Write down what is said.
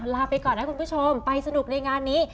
ลาไปก่อนนะคุณผู้ชมไปสนุกในงานนี้